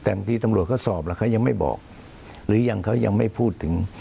แต่บางทีตำรวจเขาสอบแล้วเขายังไม่บอกหรือยังเขายังไม่พูดถึง